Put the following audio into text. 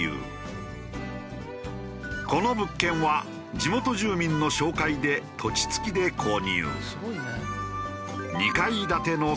この物件は地元住民の紹介で土地付きで購入。